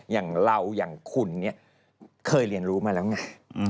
อย่างเราอย่างคุณเนี่ยเคยเรียนรู้มาแล้วไง